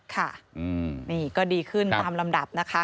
ค่ะนี่ก็ดีขึ้นตามลำดับนะคะ